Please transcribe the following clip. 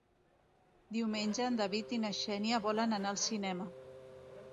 Diumenge en David i na Xènia volen anar al cinema.